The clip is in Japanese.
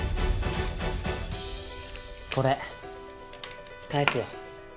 これ返すよ。